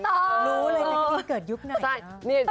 ฉันไม่รู้เลยไม่รู้เลยภาพนี้เกิดยุคไหน